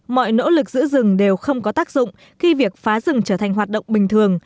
mọi nỗ lực giữ rừng đều không có tác dụng khi việc phá rừng trở thành hoạt động bình thường